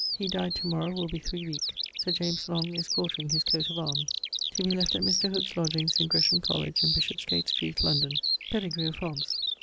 He died to morrow will be three week. Sir J L is quartring his coat of arms. To be left at Mr. Hooks lodgings in Gresham Colledge in Bishopsgate Street, London. <_Pedigree of Hobbes.